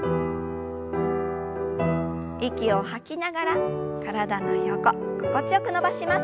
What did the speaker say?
息を吐きながら体の横心地よく伸ばします。